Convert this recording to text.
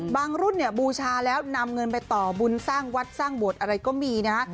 บางรุ่นบูชาแล้วนำเงินไปต่อบุญสร้างวัดสร้างบทอะไรก็มีนะ